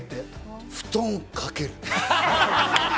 布団かける。